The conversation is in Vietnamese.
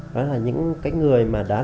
đó là những cái người mà